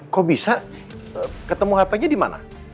kok bisa ketemu hp nya di mana